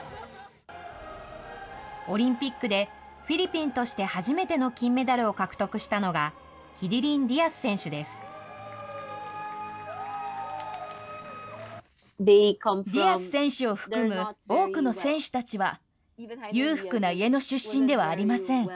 オリンピックでフィリピンとして初めての金メダルを獲得したのが、ディアス選手を含む、多くの選手たちは、裕福な家の出身ではありません。